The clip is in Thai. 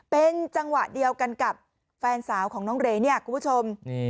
เป็นจังหวะเดียวกันกับแฟนสาวของน้องเรเนี่ยคุณผู้ชม